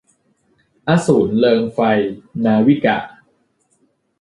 อสูรเริงไฟ - นาวิกา